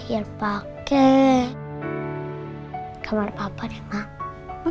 kayaknya aku terakhir pake kamar papa nih mak